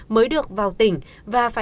mới được vào tỉnh